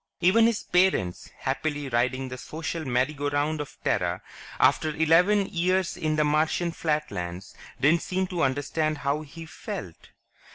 Even his parents, happily riding the social merry go round of Terra, after eleven years in the Martian flatlands, didn't seem to understand how he felt.